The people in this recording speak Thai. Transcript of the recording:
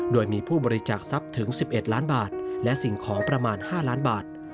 โดยมีผู้บริจาคทรัพย์ถึง๑๑ล้านบาทและสิ่งของประมาณ๕ล้านบาท